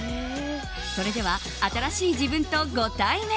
それでは、新しい自分とご対面。